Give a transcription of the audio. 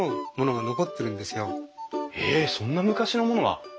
えそんな昔のものが！